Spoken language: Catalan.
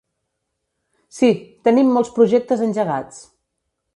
Sí, tenim molts projectes engegats.